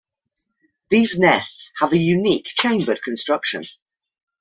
These nests have a unique chambered construction.